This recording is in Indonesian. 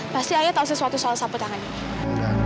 pasti ayah tau sesuatu soal sapu tangan ini